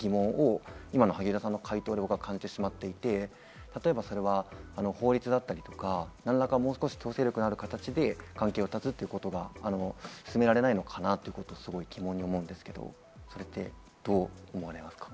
今の萩生田さんの回答で感じてしまって、例えば法律だったりとか、もう少し、強制力のある形で関係を絶つということは詰められないのかな？と疑問に思うんですけど、どう思われますか？